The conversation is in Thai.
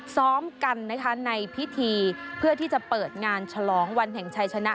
ซ้อมกันนะคะในพิธีเพื่อที่จะเปิดงานฉลองวันแห่งชัยชนะ